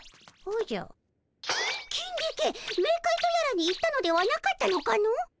キンディケメーカイとやらに行ったのではなかったのかの？